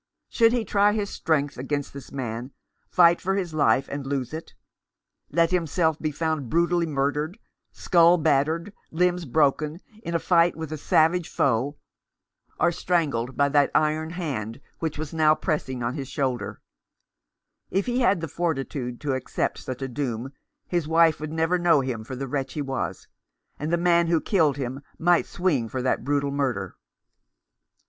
Should he try his strength against this man — fight for his life, and lose it ; let himself be found brutally murdered — skull battered, limbs broken, in a fight with a savage foe, or strangled by that iron hand which was now pressing on his 380 The Enemy and Avenger. shoulder ? If he had the fortitude to accept such a doom his wife need never know him for the wretch he was, and the man who killed him might swing for that brutal murder.